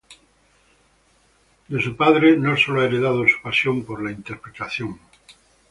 De su padre no solo ha heredado su pasión por la interpretación.